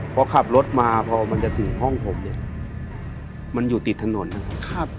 พอขับรถมาพอมันจะถึงห้องผมเนี่ยมันอยู่ติดถนนนะครับ